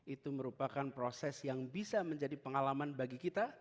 itu merupakan proses yang bisa menjadi pengalaman bagi kita